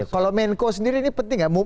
kalau menko sendiri ini penting gak